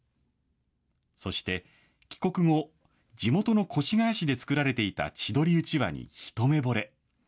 そして、帰国後、地元の越谷市で作られていた千鳥うちわに一目ぼれ。